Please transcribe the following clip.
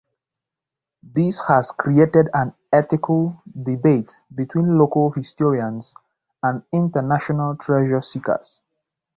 This has created an ethical debate between local historians and international treasure seekers.